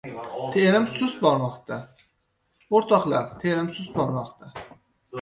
Terim sust bormoqda, o‘rtoqlar, terim sust bormoqda!